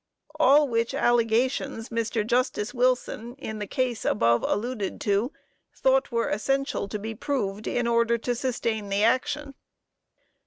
All which allegations Mr. Justice Wilson, in the case above alluded to, thought were essential to be proved in order to sustain the action."